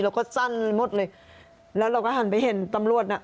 สั้นหมดเลยแล้วเราก็หันไปเห็นตำรวจน่ะ